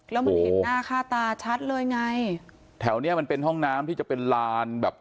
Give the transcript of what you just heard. แล้วมันเห็นหน้าค่าตาชัดเลยไงแถวเนี้ยมันเป็นห้องน้ำที่จะเป็นลานแบบ